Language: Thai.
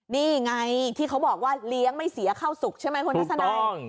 นี่ไงที่เขาบอกว่าเลี้ยงไม่เสียเข้าสุกใช่ไหมคุณทัศนัย